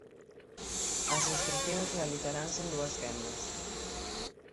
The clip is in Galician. As inscricións realizaranse en dúas quendas.